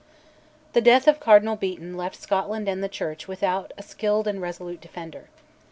The death of Cardinal Beaton left Scotland and the Church without a skilled and resolute defender.